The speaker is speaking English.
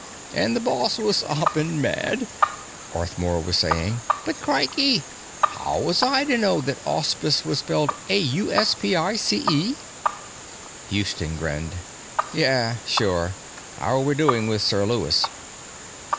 " and the boss was 'oppin' mad," Arthmore was saying, "but, crikey, 'ow was I to know that auspice was spelled A U S P I C E?" Houston grinned. "Yeah, sure. How're we doing with Sir Lewis?"